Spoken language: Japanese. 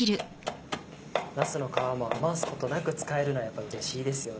なすの皮も余すことなく使えるのやっぱうれしいですよね。